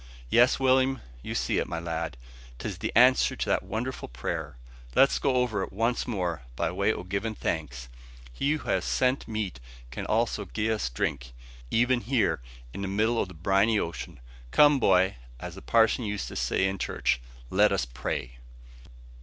"Yes, Will'm, you see it, my lad, 'tis the answer to that wonderful prayer. Let's go over it once more, by way o' givin' thanks. He who has sent meat can also gie us drink, even here, in the middle o' the briny ocean. Come, boy! as the parson used to say in church, let us pray!"